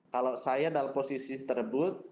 kalau saya dalam posisi terebut